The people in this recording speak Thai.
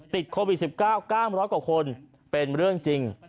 ติดโควิด๑๙๙๐๐กว่าคนเป็นเรื่องจริง